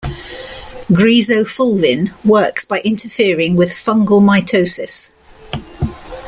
Griseofulvin works by interfering with fungal mitosis.